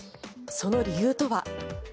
その理由とは。